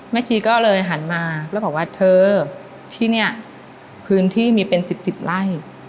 แม่ชีก็เลยหันมาแล้วบอกว่าเธอที่เนี้ยพื้นที่มีเป็นสิบสิบไร่